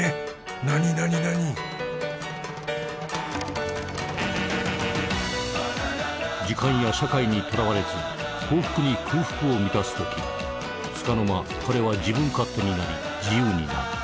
何何何時間や社会にとらわれず幸福に空腹を満たすときつかの間彼は自分勝手になり自由になる。